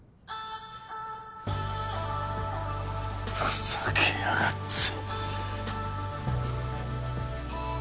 ふざけやがって！